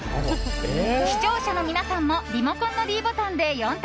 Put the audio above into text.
視聴者の皆さんもリモコンのｄボタンで４択